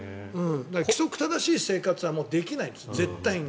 規則正しい生活はもうできないんです、絶対に。